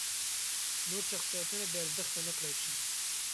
نور شخصیتونه بې ارزښته نکړای شي.